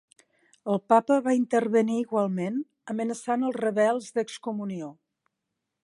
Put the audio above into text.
El papa va intervenir igualment, amenaçant els rebels d'excomunió.